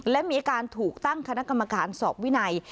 และมีการถูกตั้งคณะกรรมการสอบวินัย